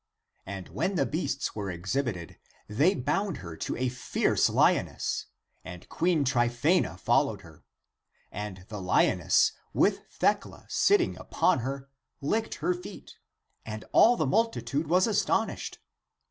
And when the beasts were exhibited, they bound her to a fierce Honess, and Queen Tryphjena followed her. And the lioness, with Thecla sitting upon her, licked her feet ; and all the multitude was astonished.